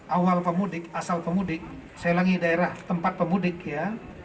awal pemudik asal pemudik selangi daerah tempat pemudik ya